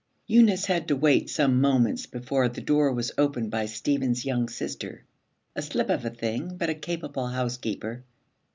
Eunice had to wait some moments before the door was opened by Stephen's young sister a slip of a thing but a capable housekeeper.